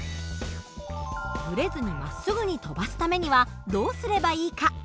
ブレずにまっすぐに飛ばすためにはどうすればいいか？